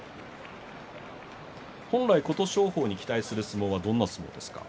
本来、琴勝峰に期待する相撲はどういう相撲ですか？